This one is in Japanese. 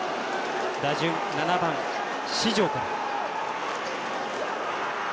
打順７番、四條から。